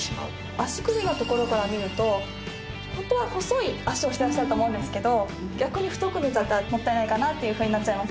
足首のところから見るとホントは細い脚をしてらっしゃると思うんですけど逆に太く見えちゃったらもったいないかなっていうふうになっちゃいます。